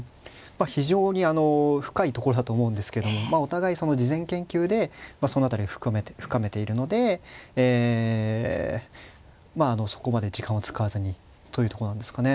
非常に深いところだと思うんですけどもお互いその事前研究でその辺りを深めているのでえまああのそこまで時間を使わずにというとこなんですかね。